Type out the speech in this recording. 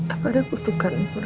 apa ada kebutuhan di rumah kita